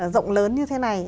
rộng lớn như thế này